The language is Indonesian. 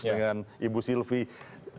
dengan ibu sylvie